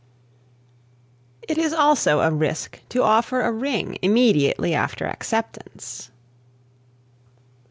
It is also a risk to offer a ring immediately after acceptance.